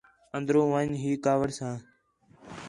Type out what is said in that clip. اندر ون٘ڄ ہی کاوِڑ ساں